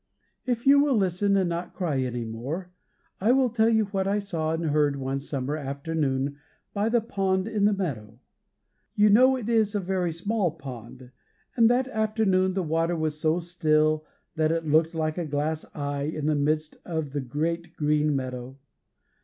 If you will listen, and not cry any more, I will tell you what I saw and heard one summer afternoon over by the pond in the meadow. You know it is a very small pond, and that afternoon the water was so still that it looked like a glass eye in the midst of the great green meadow.